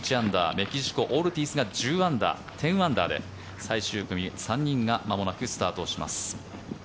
メキシコ、オルティーズが１０アンダーで最終組３人がまもなくスタートします。